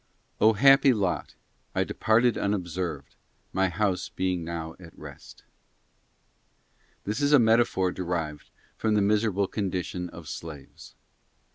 ©O nappy lot! I departed unobserved; my house being now g at rest.' This is a metaphor derived from the miserable _ condition of slaves.